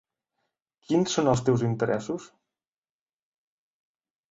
Quins són els teus interessos?